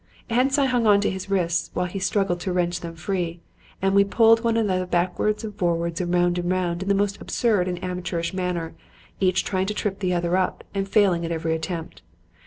Hence I hung on to his wrists while he struggled to wrench them free, and we pulled one another backwards and forwards and round and round in the most absurd and amateurish manner, each trying to trip the other up and failing at every attempt.